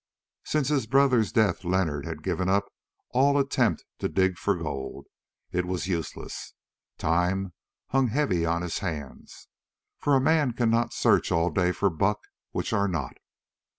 Since his brother's death Leonard had given up all attempt to dig for gold—it was useless. Time hung heavy on his hands, for a man cannot search all day for buck which are not.